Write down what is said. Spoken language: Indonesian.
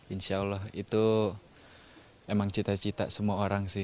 insya allah itu emang cita cita semua orang sih